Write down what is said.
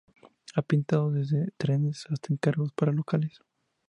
Ha pintado desde trenes hasta encargos para locales.